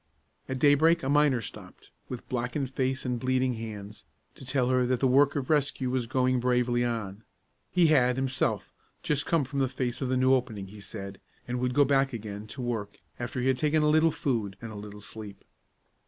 At daybreak a miner stopped, with blackened face and bleeding hands, to tell her that the work of rescue was going bravely on. He had, himself, just come from the face of the new opening, he said; and would go back again, to work, after he had taken a little food and a little sleep.